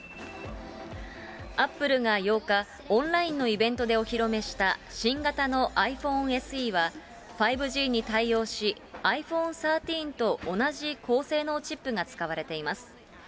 アップルが８日、オンラインのイベントでお披露目した新型のｉＰｈｏｎｅＳＥは、５Ｇに対応し、ｉＰｈｏｎｅ１３と同じ高性能チップが使われています。